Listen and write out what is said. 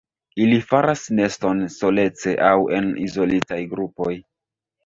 Ili faras neston solece aŭ en izolitaj grupoj.